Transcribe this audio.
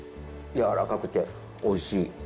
やわらかくておいしい。